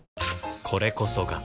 これこそが